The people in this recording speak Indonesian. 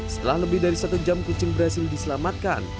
setelah lebih dari satu jam kucing berhasil diselamatkan